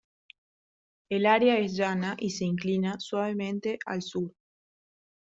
El área es llana y se inclina suavemente al sur.